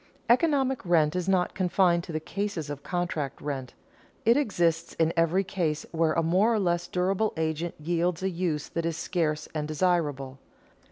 Economic rent is not confined to the cases of contract rent. It exists in every case where a more or less durable agent yields a use that is scarce and desirable.